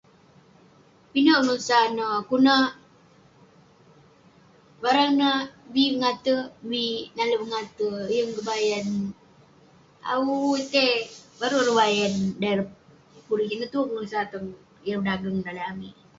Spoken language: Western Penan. Pinek pengesat neh, kuk neh barang nah bi mengate, bi nale'erk mengate, yeng kebayan. Awu itei, baru ireh bayan. Dan ireh pun rigit. Ineh tue pengesat tong ireh pedageng tong daleh amik.